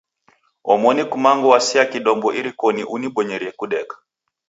Omoni kumangu waseagha kidombo irikonyi unibonyerie kudeka.